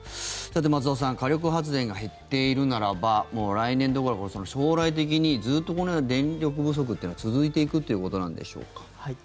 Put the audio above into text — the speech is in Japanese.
さて、松尾さん火力発電が減っているならばもう来年どころか将来的にずっとこのような電力不足というのは続いていくということなんでしょうか。